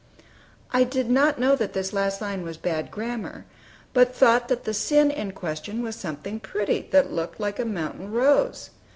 I did not know that this last line was bad grammar, but thought that the sin in question was something pretty, that looked "like a mountain rose."